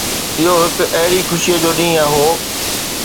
اهو هڪ اهڙي خوشي جو ڏينهن هو.